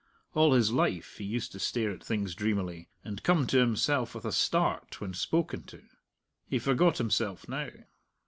All his life he used to stare at things dreamily, and come to himself with a start when spoken to. He forgot himself now.